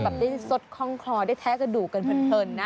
ได้สดคล่องคลอได้แท้กระดูกกันเพลินนะ